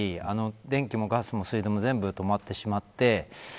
電気もガスも水道も全部止まってしまって。